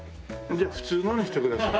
じゃあ普通のにしてください。